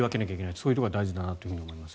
そういうところは大事だなと思います。